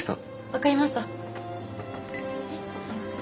分かりました。